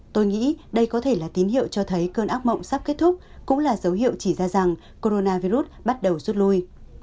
tôi nghĩ đây có thể là tín hiệu cho thấy cơn ác mộng sắp kết thúc cũng là dấu hiệu chỉ ra rằng coronavir bắt đầu rút lui